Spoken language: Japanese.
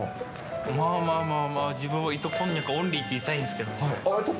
まあまあまあ、自分は糸こんにゃくオンリーって言いたいんですけど。